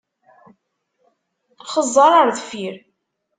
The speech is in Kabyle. Xeẓẓeṛ ar deffir!